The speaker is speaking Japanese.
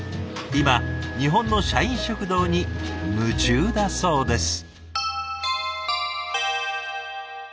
今日本の社員食堂に夢中だそうです。